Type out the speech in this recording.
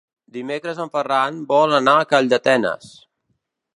Dimecres en Ferran vol anar a Calldetenes.